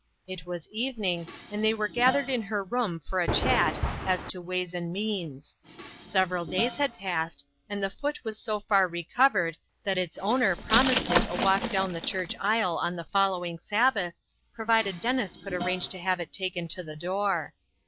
It was evening, and they were gath ered in her room for a chat as to ways and means. Several days had passed, and LOGIC AND LABOR. l8l the foot was so far recovered that its owner promised it a walk down the church aisle on the following Sabbath, provided Dennis could arrange to have it taken to the door.